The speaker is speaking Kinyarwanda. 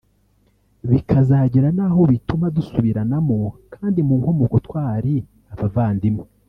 bikazagera n’aho ituma dusubiranamo kandi mu nkomoko twari abavandimwe